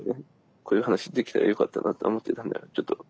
こういう話できたらよかったなと思ってたんでちょっと。